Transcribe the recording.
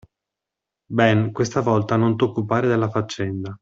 Ben, questa volta non t'occupare della faccenda!